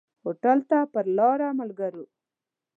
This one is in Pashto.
هوټل ته پر لاره ملګرو.